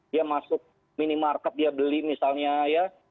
dia masuk minimarket dia beli misalnya ya